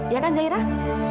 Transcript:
ya kan zairah